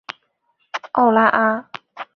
奥拉阿。